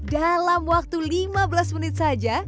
dalam waktu lima belas menit saja